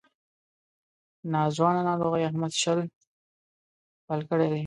ناځوانه ناروغۍ احمد شل پل کړی دی.